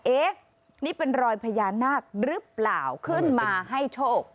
เอ๊ะนี่เป็นรอยพญานาคหรือเปล่าขึ้นมาให้โชค